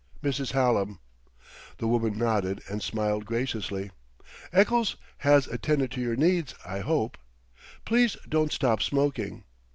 "Mrs. Hallam." The woman nodded and smiled graciously. "Eccles has attended to your needs, I hope? Please don't stop smoking."